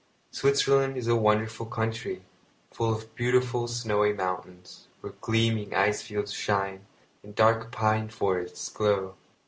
Switzerland is a wonderful country, full of beautiful snowy mountains, where gleaming ice fields shine, and dark pine forests grow.